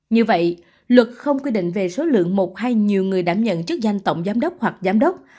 như vậy luật không quy định về số lượng một hay nhiều người đảm nhận chức danh tổng giám đốc hoặc giám đốc